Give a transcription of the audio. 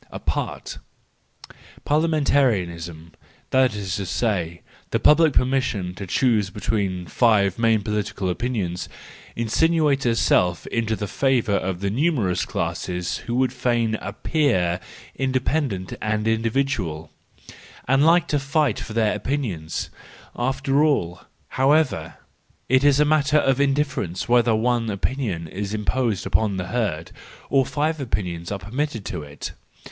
Apart.— Parliamentarism, that is to say, the pub¬ lic permission to choose between five main political THE JOYFUL WISDOM, III 191 opinions, insinuates itself into the favour of the numerous class who would fain appear independent and individual, and like to fight for their opinions. After all, however, it is a matter of indifference whether one opinion is imposed upon the herd, or five opinions are permitted to it.